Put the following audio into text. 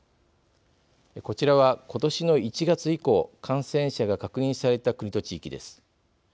こちらは、ことしの１月以降感染者が確認された国と地域です。